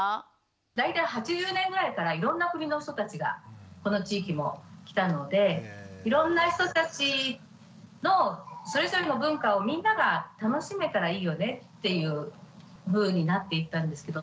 大体８０年ぐらいからいろんな国の人たちがこの地域も来たのでいろんな人たちのそれぞれの文化をみんなが楽しめたらいいよねっていうふうになっていったんですけど。